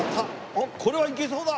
おっこれはいけそうだ。